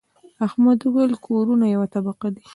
احمد وويل: کورونه یوه طبقه دي.